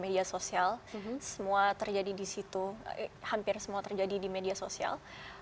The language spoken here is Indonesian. media sosial semua terjadi di situ hampir semua terjadi di media sosial